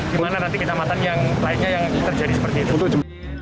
gimana nanti kecamatan yang lainnya yang terjadi seperti itu